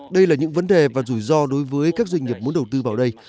đây là những vấn đề và rủi ro đối với các doanh nghiệp muốn đầu tư vào đây